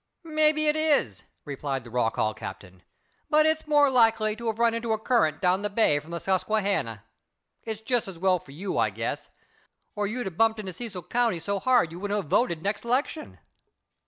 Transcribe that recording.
"Maybe it is," replied the Rock Hall captain, "but it's more likely to have run into a current down the bay from the Susquehanna. It's just as well for you, I guess, or you'd a bumped into Cecil county so hard you wouldn't a voted next 'lection."